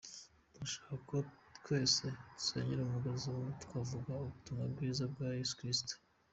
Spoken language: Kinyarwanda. Turashaka ko twese dusenyera umugozi umwe mu kuvuga ubutumwa bwiza bwa Yesu Kristo”.